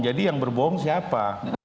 jadi yang berbohong siapa